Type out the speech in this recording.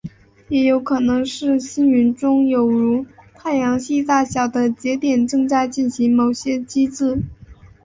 也有可能是星云中有如太阳系大小的节点正在进行某些机制。